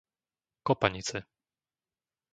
Kopanice